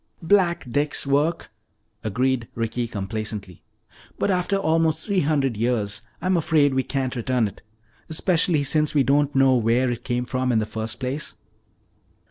"Black Dick's work," agreed Ricky complacently. "But after almost three hundred years I'm afraid we can't return it. Especially since we don't know where it came from in the first place."